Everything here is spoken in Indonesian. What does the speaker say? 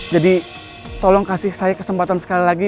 jadi tolong kasih kesempatan sekali lagi